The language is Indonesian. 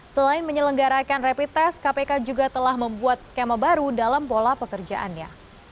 selain menyelenggarakan rapid test kpk juga telah membuat skema baru dalam pola pekerjaannya